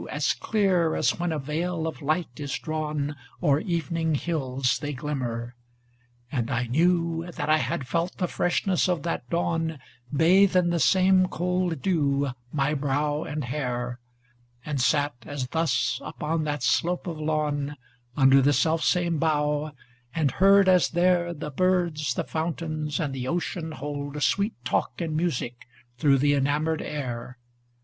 As clear as when a veil of light is drawn O'er evening hills they glimmer; and I knew That I had felt the freshness of that dawn Bathe in the same cold dew my brow and hair, And sate as thus upon that slope of lawn Under the self same bough, and heard as there 472 MISCELLANEOUS POEMS The birds, the fountains and the ocean hold Sweet talk in music through the enamoured air.